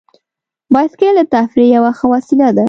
بایسکل د تفریح یوه ښه وسیله ده.